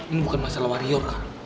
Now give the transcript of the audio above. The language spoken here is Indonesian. ini bukan masalah warior kak